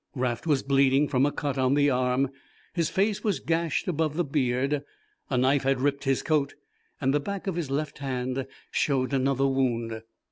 Raft was bleeding from a cut on the arm, his face was gashed above the beard, a knife had ripped his coat and the back of his left hand shewed another wound.